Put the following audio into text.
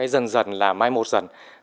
dần dần là mai một dần